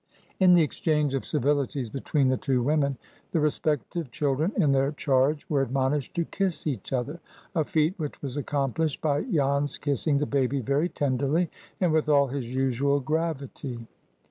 In the exchange of civilities between the two women, the respective children in their charge were admonished to kiss each other,—a feat which was accomplished by Jan's kissing the baby very tenderly, and with all his usual gravity.